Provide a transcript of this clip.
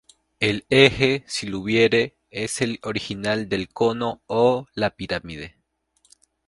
El "eje", si lo hubiere, es el original del cono o la pirámide.